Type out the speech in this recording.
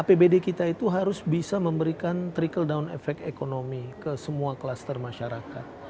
apbd kita itu harus bisa memberikan trickle down effect ekonomi ke semua klaster masyarakat